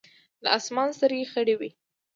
د اسمان سترګې خړې وې ـ